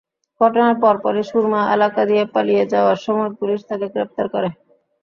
ঘটনার পরপরই সুরমা এলাকা দিয়ে পালিয়ে যাওয়ার সময় পুলিশ তাঁকে গ্রেপ্তার করে।